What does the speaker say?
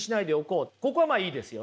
ここはまあいいですよね。